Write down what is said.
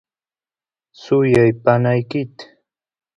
suyay panaykit